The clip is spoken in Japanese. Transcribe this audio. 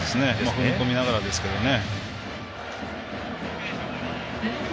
踏み込みながらですけどね。